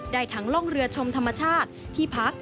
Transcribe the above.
ได้ทั้งร่องเรือชมธรรมชาติที่พัก